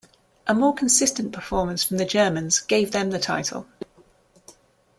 A more consistent performance from the Germans gave them the title.